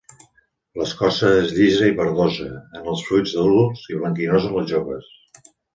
L'escorça és llisa i verdosa en els arbres adults i blanquinosa en els joves.